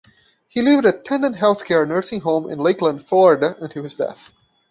He lived at the "Tandem Healthcare" nursing home in Lakeland, Florida until his death.